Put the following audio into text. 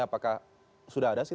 apakah sudah ada siti